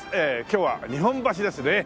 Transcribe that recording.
今日は日本橋ですね。